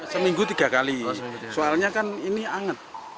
seminggu tiga kali soalnya kan ini anget